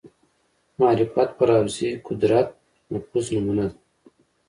معرفت پر حوزې قدرت نفوذ نمونه ده